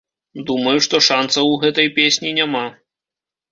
Думаю, што шанцаў у гэтай песні няма.